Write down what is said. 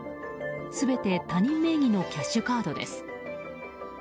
全て他人名義のキャッシュカードです。